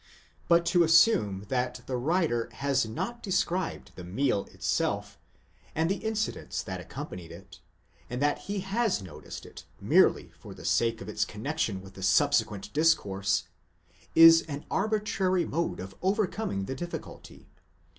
28 But to assume that the writer has not described the meal itself and the incidents that accom panied it, and that he has noticed it merely for the sake of its connexion with the subsequent discourse, is an arbitrary mode of overcoming the difficulty.